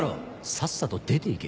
さっさと出ていけ。